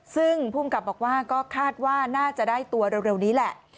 ซึ่งภูมิกับบอกว่าก็คาดว่าน่าจะได้ตัวเร็วนี้แหละ